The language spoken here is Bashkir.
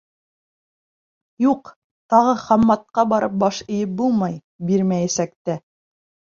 Юҡ, тағы Хамматҡа барып баш эйеп булмай, бирмәйәсәк тә.